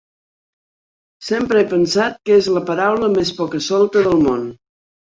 Sempre he pensat que és la paraula més poca-solta del món.